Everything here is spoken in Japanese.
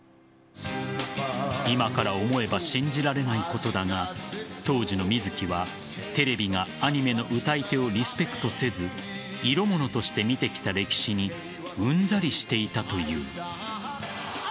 今から思えば信じられないことだが当時の水木はテレビがアニメの歌い手をリスペクトせず色物として見てきた歴史にうんざりしていたという。